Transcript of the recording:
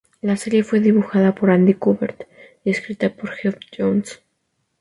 La serie fue dibujada por Andy Kubert y escrita por Geoff Johns.